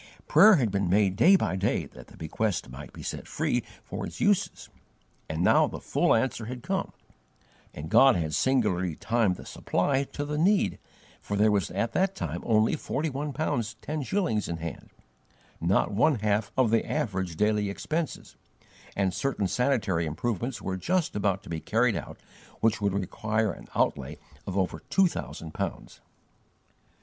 Prayer had been made day by day that the bequest might be set free for its uses, and now the full answer had come; and God had singularly timed the supply to the need, for there was at that time only forty one pounds ten shillings in hand, not one half of the average daily expenses, and certain sanitary improvements were just about to be carried out which would require an outlay of over two thousand pounds.